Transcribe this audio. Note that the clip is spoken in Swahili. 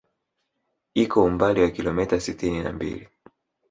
Iko umbali wa kilomita sitini na mbili